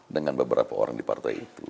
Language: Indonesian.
dengan beberapa orang di partai itu